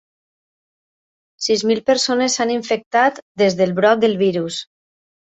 Sis mil persones s'han infectat des del brot del virus.